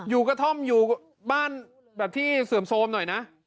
กระท่อมอยู่บ้านแบบที่เสื่อมโทรมหน่อยนะ